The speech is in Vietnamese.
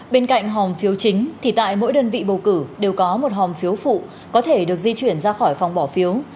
bên cạnh hòm phiếu chính thì tại mỗi đơn vị bầu cử đều có một hòm phiếu phụ có thể được di chuyển ra khỏi phòng bỏ phiếu